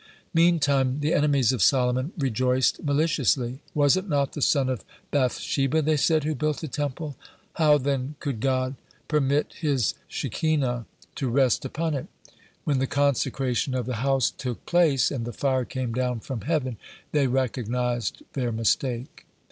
Meantime the enemies of Solomon rejoiced maliciously. "Was it not the son of Bath sheba," they said, "who built the Temple? How, then, could God permit His Shekinah to rest upon it?" When the consecration of the house took place, and "the fire came down from heaven," they recognized their mistake.